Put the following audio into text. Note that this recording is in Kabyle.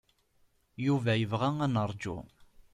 Yuba yebɣa ad neṛju.